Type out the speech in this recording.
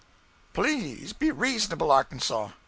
"Please be reasonable, Arkansas.